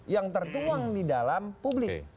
yang tertuang di dalam publik